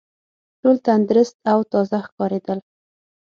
ټول تندرست او تازه ښکارېدل.